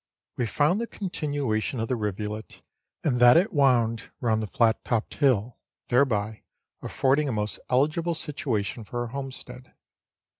We found the continuation of the rivulet, and that it wound round the flat topped hill, thereby affording a most eligible situation for a homestead.